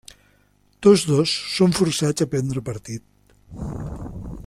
Tots dos són forçats a prendre partit.